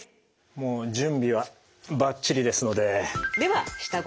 もう準備はバッチリですので。